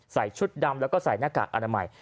ชุดดำแล้วก็ใส่หน้ากากอนามัย